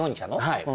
はい。